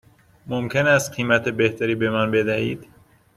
ممکن است قیمت بهتری به من بدهید؟